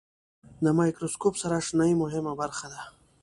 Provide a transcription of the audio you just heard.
د مایکروسکوپ سره آشنایي مهمه برخه ده.